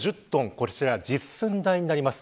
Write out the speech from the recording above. こちら実寸大になります。